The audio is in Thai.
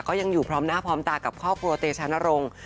ก็ยังอยู่พร้อมหน้าพร้อมตากับครอบครัวเตชานรงค์